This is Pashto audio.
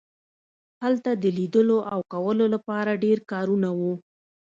هلته د لیدلو او کولو لپاره ډیر کارونه وو